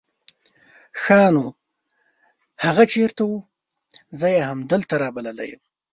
ښا نو هغه چېرته وو؟ زه يې همدلته رابللی يم.